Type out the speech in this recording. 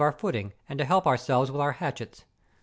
135 our footing and to help ourselves with our hatchets.